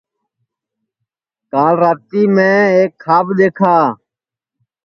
کال راتی میں ایک کھاب دؔیکھا